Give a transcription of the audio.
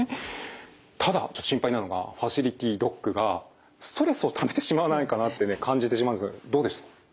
ただちょっと心配なのがファシリティドッグがストレスをためてしまわないかなってね感じてしまうんですけどどうですか？